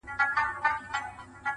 • په سبب د لېونتوب دي پوه سوم یاره,